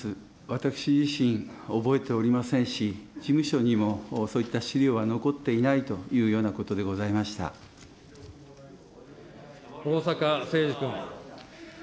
私自身、覚えておりませんし、事務所にもそういった資料は残っていないというようなことでござ逢坂誠二君。